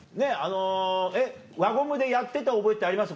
輪ゴムでやってた覚えってあります？